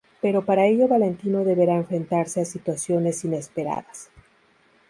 Pero para ello Valentino deberá enfrentarse a situaciones inesperadas.